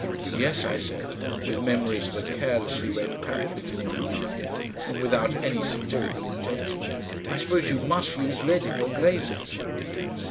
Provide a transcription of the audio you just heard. "Yes," I said, with memories of a carelessly read pamphlet in my mind, and without any satirical intention, "I suppose you MUST use lead in your glazes?"